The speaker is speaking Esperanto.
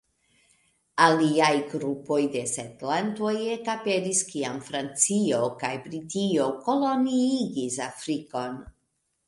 Aliaj grupoj de setlantoj ekaperis kiam Francio kaj Britio koloniigis Afrikon.